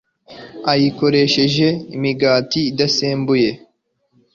ayikoresha imigati idasembuye